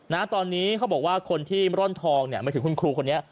นะตอนนี้เขาบอกว่าคนที่ร่อนทองเนี่ยหมายถึงคุณครูคนนี้